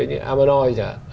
như amanoi chẳng hạn